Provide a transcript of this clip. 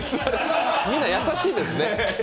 みんな優しいですね。